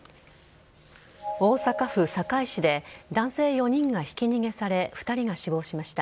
大阪府堺市で男性４人がひき逃げされ２人が死亡しました。